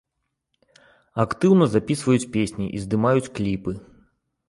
Актыўна запісваюць песні і здымаюць кліпы.